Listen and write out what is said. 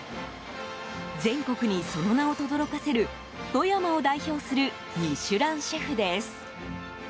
全国にその名をとどろかせる富山を代表する「ミシュラン」シェフです。